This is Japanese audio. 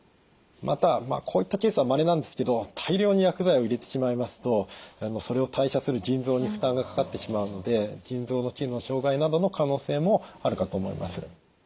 またこういったケースはまれなんですけど大量に薬剤を入れてしまいますとそれを代謝する腎臓に負担がかかってしまうので腎臓の機能障害などの可能性もあるかと思います。